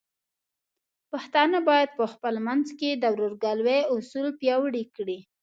پښتانه بايد په خپل منځ کې د ورورګلوۍ اصول پیاوړي کړي.